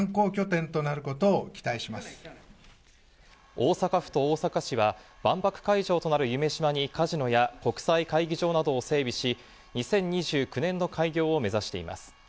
大阪府と大阪市は万博会場となる夢洲に、カジノや国際会議場などを整備し、２０２９年の開業を目指しています。